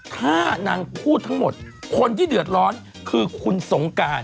ถ้านางพูดทั้งหมดคนที่เดือดร้อนคือคุณสงการ